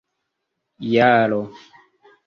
jaro